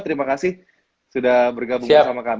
terima kasih sudah bergabung bersama kami